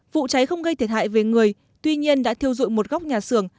vụ cháy không gây thiệt hại về người tuy nhiên đã thiêu dụi một góc nhà xưởng